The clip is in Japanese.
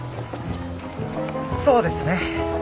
そうですね。